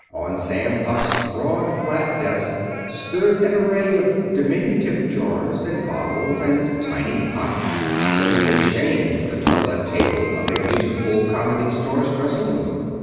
On Sam Hupp's broad flat desk stood an array of diminutive jars, and bottles, and tiny pots that would have shamed the toilette table of a musical comedy star's dressing room.